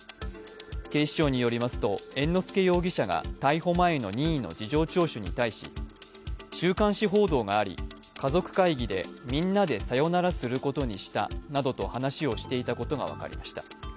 警視庁によりますと、猿之助容疑者が逮捕前の任意の事情聴取に対し週刊誌報道があり、家族会議でみんなでさよならすることにしたなどと話をしていたことが分かりました。